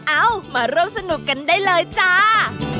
เอามาร่วมสนุกกันได้เลยจ้า